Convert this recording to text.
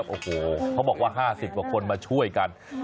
โอ้โหเขาบอกว่า๕๐กว่าคนมาช่วยกัน